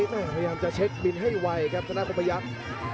พยายามจะเช็คบินให้ไวครับธนาคมพยักษ์